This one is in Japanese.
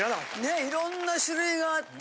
ねぇいろんな種類があって。